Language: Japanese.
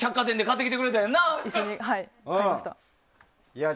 一緒に買いました。